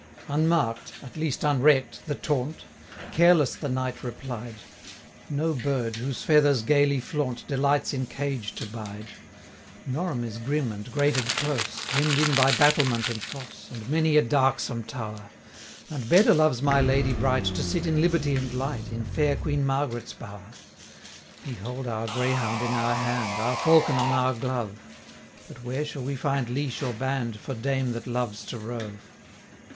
Unmark'd, at least unreck'd, the taunt, Careless the Knight replied, 'No bird, whose feathers gaily flaunt, Delights in cage to bide: 275 Norham is grim and grated close, Hemm'd in by battlement and fosse, And many a darksome tower; And better loves my lady bright To sit in liberty and light, 280 In fair Queen Margaret's bower. We hold our greyhound in our hand, Our falcon on our glove; But where shall we find leash or band, For dame that loves to rove?